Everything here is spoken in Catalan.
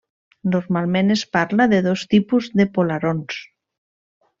Normalment es parla de dos tipus de polarons.